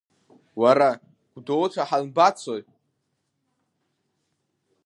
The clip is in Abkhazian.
Уара, Гәдоуҭа ҳанбацои?